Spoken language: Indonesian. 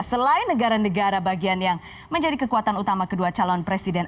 selain negara negara bagian yang menjadi kekuatan utama kedua calon presiden